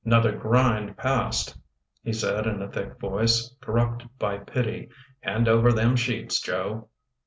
" Nother grind passed," he said in a thick voice cor rupted by pity. " Hand over them sheets, Joe."